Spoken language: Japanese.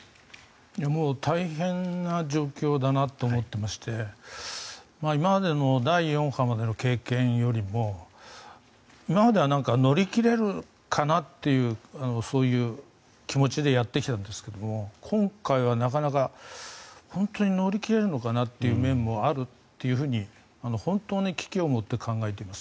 もう大変な状況だなと思っていまして今までの第４波までの経験よりも今までは何か乗り切れるかなってそういう気持ちでやってきたんですけど今回はなかなか本当に乗り切れるのかなっていう面もあるっていうふうに本当に危機を持って考えています。